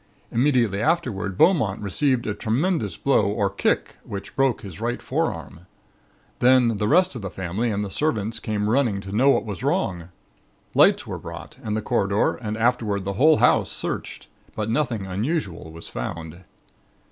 Immediately afterward Beaumont received a tremendous blow or kick which broke his right forearm. Then the rest of the family and the servants came running to know what was wrong. Lights were brought and the corridor and, afterward, the whole house searched, but nothing unusual was found.